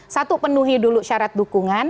satu penuhi dulu syarat dukungan